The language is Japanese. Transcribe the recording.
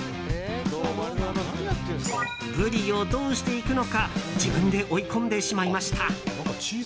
ブリをどうしていくのか自分で追い込んでしまいました。